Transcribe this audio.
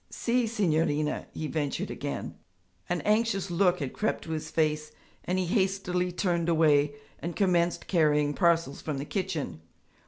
'Si, signorina,' he ventured again. An anxious look had crept to his face and he hastily turned away and commenced carrying parcels from the kitchen.